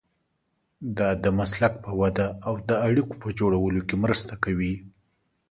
دا د مسلک په وده او د اړیکو په جوړولو کې مرسته کوي.